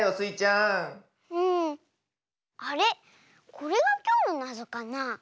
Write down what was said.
これがきょうのなぞかな。